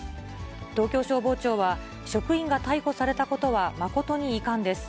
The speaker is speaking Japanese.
東京消防庁は、職員が逮捕されたことは誠に遺憾です。